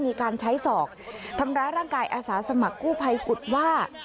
มีการใช้ศอกทำร้ายร่างกายอาสาสมัครกู้ภัยกุฎว่า